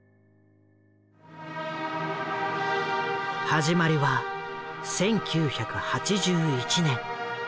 始まりは１９８１年。